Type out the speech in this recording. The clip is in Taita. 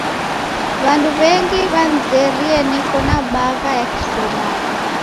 W'andu w'engi w'anizerie neko na bagha ya kiSomali.